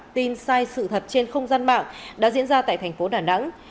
tin sai sự thật trên không gian mạng đã diễn ra tại thành phố đà nẵng